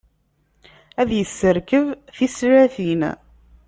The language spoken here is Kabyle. Ad yesserkeb tislatin.